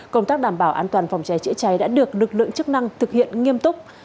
công tác đảm bảo an toàn phòng cháy chữa cháy đã được lực lượng chức năng thực hiện nghiêm túc